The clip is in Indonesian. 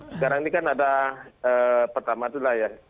sekarang ini kan ada pertama itu lah ya